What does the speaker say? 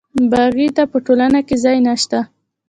باغي ته په ټولنه کې ځای نشته.